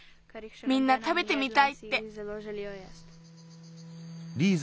みんなたべてみたいって。